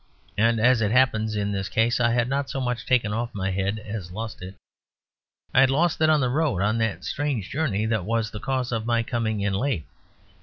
And as it happens, in this case, I had not so much taken off my head as lost it. I had lost it on the road; on that strange journey that was the cause of my coming in late.